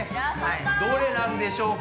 どれなんでしょうか？